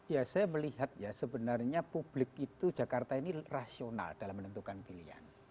ya saya melihat ya sebenarnya publik itu jakarta ini rasional dalam menentukan pilihan